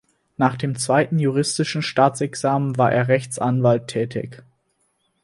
Nach dem Zweiten Juristischen Staatsexamen war er Rechtsanwalt tätig.